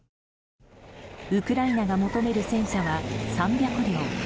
ウクライナが求める戦車は３００両。